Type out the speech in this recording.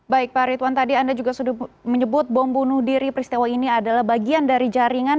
baik pak ridwan tadi anda juga sudah menyebut bom bunuh diri peristiwa ini adalah bagian dari jaringan